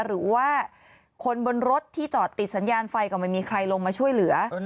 หรือว่าคนบนรถที่จอดติดสัญญาณไฟก็ไม่มีใครลงมาช่วยเหลือ